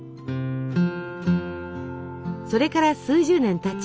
それから数十年たち